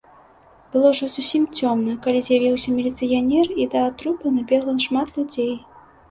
Было ўжо зусім цёмна, калі з'явіўся міліцыянер, і да трупа набегла шмат людзей.